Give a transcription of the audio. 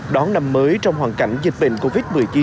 đón năm mới trong hoàn cảnh dịch bệnh covid một mươi chín